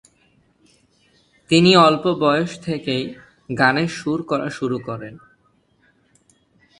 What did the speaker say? তিনি অল্প বয়স থেকেই গানের সুর করা শুরু করেন।